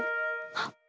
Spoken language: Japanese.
あっ！